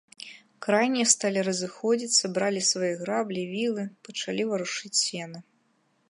Крайнія сталі разыходзіцца, бралі свае граблі, вілы, пачалі варушыць сена.